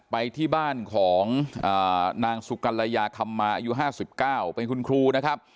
ไปที่บ้านของนางสุกรรยาคำมาอายุห้าสิบเก้าเป็นคุณครูนะครับ